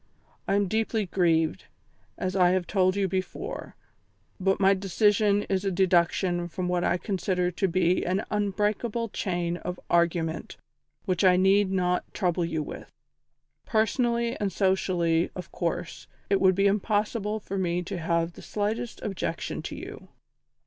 I am deeply grieved, as I have told you before, but my decision is a deduction from what I consider to be an unbreakable chain of argument which I need not trouble you with. Personally and socially, of course, it would be impossible for me to have the slightest objection to you.